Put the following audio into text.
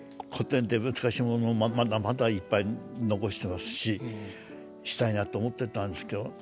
古典って難しいものをまだまだいっぱい残してますししたいなと思ってたんですけど。